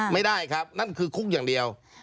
ไม่ได้ครับนั่นคือคุกอย่างเดียว